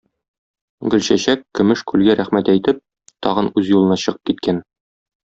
Гөлчәчәк, көмеш күлгә рәхмәт әйтеп, тагын үз юлына чыгып киткән.